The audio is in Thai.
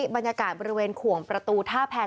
บรรยากาศบริเวณขวงประตูท่าแพร